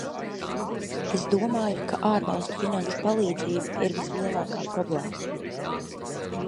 Es domāju, ka ārvalstu finanšu palīdzība ir vislielākā problēma.